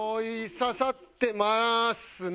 刺さってますね？